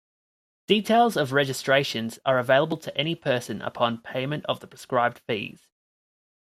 Details of registrations are available to any person upon payment of the prescribed fees.